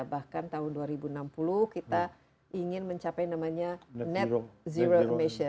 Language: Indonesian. bahkan tahun dua ribu enam puluh kita ingin mencapai namanya net zero emission